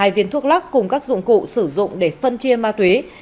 hai viên thuốc lắc cùng các dụng cụ sử dụng để phân chia ma túy